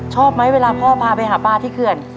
ชอบไหมเวลาพ่อพาไปหาปลาที่เขื่อน